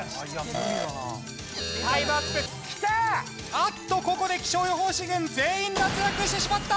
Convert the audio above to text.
あっとここで気象予報士軍全員脱落してしまった。